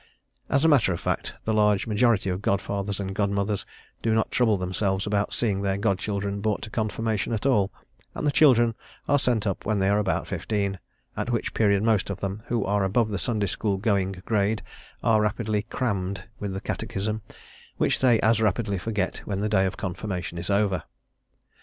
As a matter of fact, the large majority of godfathers and godmothers do not trouble themselves about seeing their godchildren brought to confirmation at all, and the children are sent up when they are about fifteen, at which period most of them who are above the Sunday School going grade, are rapidly "crammed" with the Catechism, which they as rapidly forget when the day of confirmation is over.